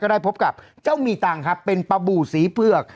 ก็ได้พบกับเจ้ามีตังค่ะเป็นปะบู่ศรีเผื่อ